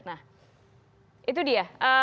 nah itu dia